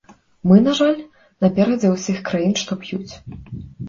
Мы, на жаль, наперадзе ўсіх краін, што п'юць.